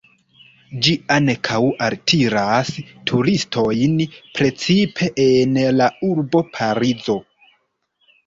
Ĝi ankaŭ altiras turistojn, precipe en la urbo Parizo.